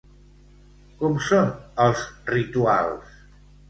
Com són els rituals?